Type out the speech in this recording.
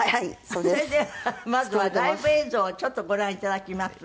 それではまずはライブ映像をちょっとご覧いただきます。